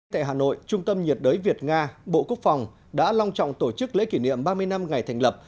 tại hà nội trung tâm nhiệt đới việt nga bộ quốc phòng đã long trọng tổ chức lễ kỷ niệm ba mươi năm ngày thành lập